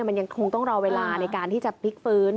มันยังคงต้องรอเวลาในการที่จะพลิกฟื้น